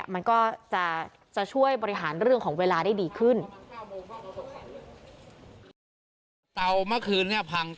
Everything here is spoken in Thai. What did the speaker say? มันก็จะช่วยบริหารเรื่องของเวลาได้ดีขึ้น